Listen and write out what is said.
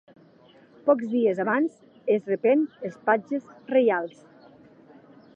Pocs dies abans es repen els patges reials.